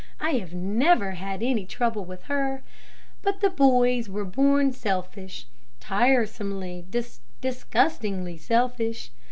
I have never had any trouble with her. But the boys were born selfish, tiresomely, disgustingly selfish.